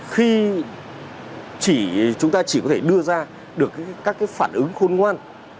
khi chúng ta chỉ có thể đưa ra được các cái phản ứng khôn ngoan